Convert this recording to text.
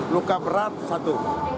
luka berat satu